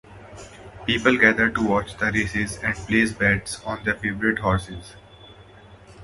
People gather to watch the races and place bets on their favorite horses.